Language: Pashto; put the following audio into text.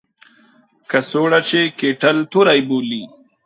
کڅوړه چې کیټل تور بولي.